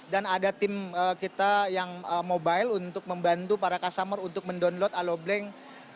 dan ada tim kita yang mobile untuk membantu para customer untuk mendownload alobleng